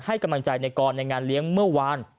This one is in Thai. ให้กำลังใจในกรในงานเลี้ยงเมื่อวาน